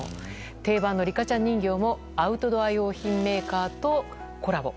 定番のリカちゃん人形もアウトドア用品メーカーとコラボ。